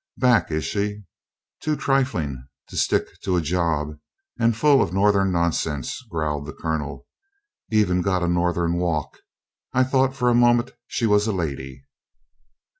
"Back, is she? Too trifling to stick to a job, and full of Northern nonsense," growled the Colonel. "Even got a Northern walk I thought for a moment she was a lady."